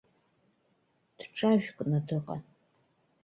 Дҿажәкны дыҟан.